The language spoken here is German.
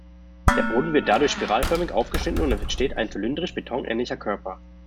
Der Boden wird dadurch spiralförmig aufgeschnitten und es entsteht ein zylindrischer Beton-ähnlicher Körper.